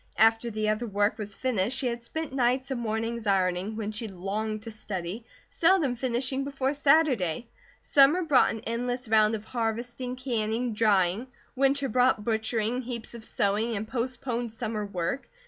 After the other work was finished she had spent nights and mornings ironing, when she longed to study, seldom finishing before Saturday. Summer brought an endless round of harvesting, canning, drying; winter brought butchering, heaps of sewing, and postponed summer work.